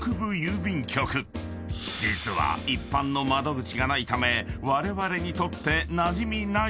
［実は一般の窓口がないためわれわれにとってなじみない場所だが］